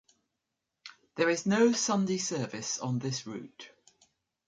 There is no Sunday service on this route.